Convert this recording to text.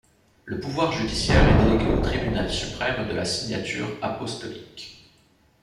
Le pouvoir judiciaire est délégué au Tribunal suprême de la Signature apostolique.